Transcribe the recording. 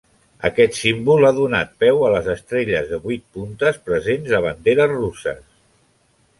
Aquest símbol ha donat peu a les estrelles de vuit puntes presents a banderes russes.